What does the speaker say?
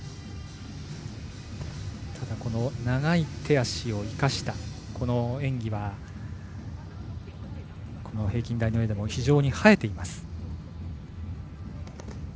ただ、長い手足を生かしたこの演技は平均台の上でも非常に映えています。